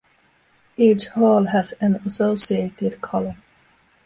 Each hall has an associated colour.